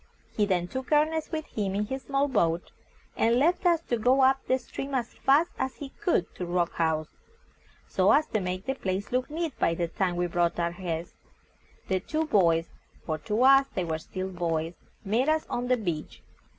He then took Ernest with him in his small boat, and left us to go up the stream as fast as he could to Rock House, so as to make the place look neat by the time we brought home our guest. The two boys for to us they were still boys met us on the beach.